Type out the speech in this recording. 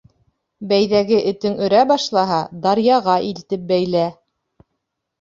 Бәйҙәге этең өрә башлаһа, даръяға илтеп бәйлә.